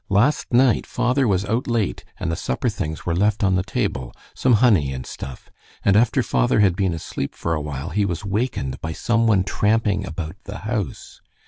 Last night father was out late and the supper things were left on the table some honey and stuff and after father had been asleep for a while he was wakened by some one tramping about the house.